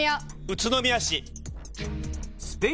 宇都宮市。